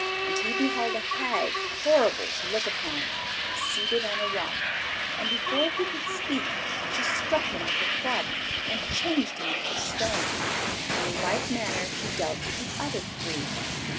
And he beheld a hag, horrible to look upon, seated on a rock, and before he could speak, she struck him with her club, and changed him into a stone; and in like manner she dealt with the other three.